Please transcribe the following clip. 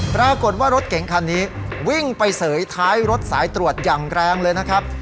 ปรากฏว่ารถเก๋งคันนี้วิ่งไปเสยท้ายรถสายตรวจอย่างแรงเลยนะครับ